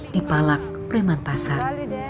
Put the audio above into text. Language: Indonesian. di palak preman pasar